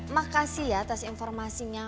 makasih ya atas informasinya